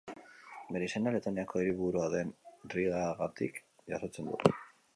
Bere izena Letoniako hiriburua den Rigagatik jasotzen du.